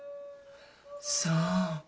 そう。